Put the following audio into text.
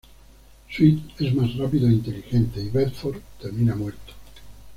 Sweet es más rápido e inteligente y Bedford termina muerto.